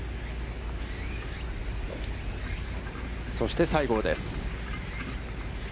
そして西郷です。